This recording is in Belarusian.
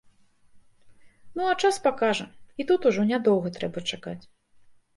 Ну а час пакажа, і тут ўжо нядоўга трэба чакаць.